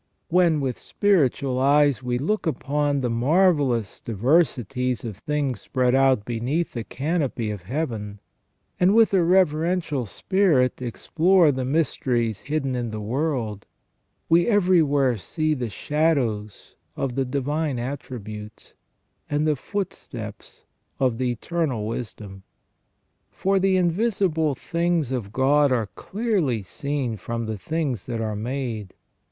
When with spiritual eyes we look upon the marvellous diversities of things spread out beneath the canopy of heaven, and with a reverential spirit explore the mysteries hidden in the world, we everywhere see the shadows of the Divine Attributes, and the footsteps of the Eternal Wisdom. " For the invisible things of God are clearly seen from the things that are made.